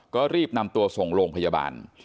ก็รีบนำตัวส่งโรงพยาบาล